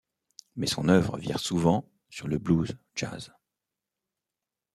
Mais son œuvre vire souvent sur le blues, jazz...